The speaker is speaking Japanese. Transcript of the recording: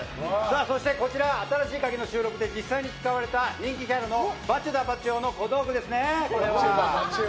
そして、こちら「新しいカギ」の収録で実際に使われた人気キャラのバチェ田バチェ男の小道具ですね。